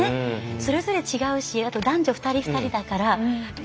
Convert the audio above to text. それぞれ違うし男女２人２人だから。